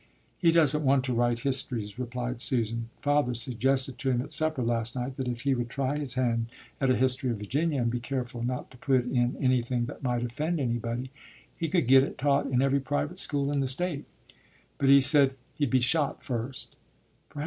"He doesn't want to write histories," replied Susan. "Father suggested to him at supper last night that if he would try his hand at a history of Virginia, and be careful not to put in anything that might offend anybody, he could get it taught in every private school in the State. But he said he'd be shot first."